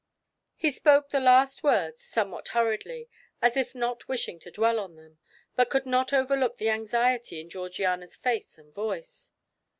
He spoke the last words somewhat hurriedly, as if not wishing to dwell on them, but could not overlook the anxiety in Georgiana's face and voice.